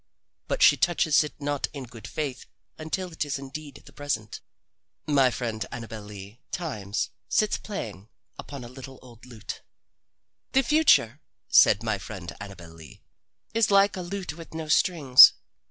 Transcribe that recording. But she touches it not in good faith until it is indeed the present. My friend Annabel Lee, times, sits playing upon a little, old lute. "The future," said my friend Annabel Lee, "is like a lute with no strings.